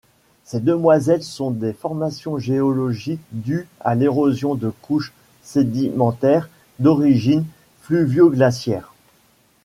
Ces demoiselles sont des formations géologiques dues à l'érosion de couches sédimentaires d'origine fluvio-glaciaire.